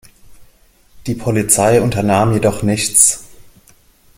Die Polizei unternahm jedoch nichts.